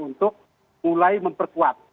untuk mulai memperkuat